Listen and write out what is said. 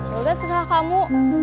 yaudah sesuai kamu